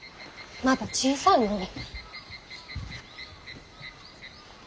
まだ小さいのに。